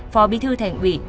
phó bi thư thành ủy